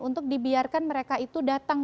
untuk dibiarkan mereka itu datang